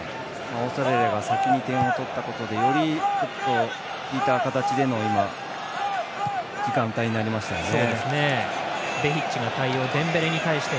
オーストラリアが先に点を取ったことでより引いた形での時間帯になりましたよね。